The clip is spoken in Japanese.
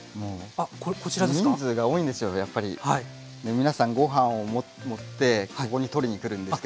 皆さんごはんを盛ってここに取りにくるんですけども。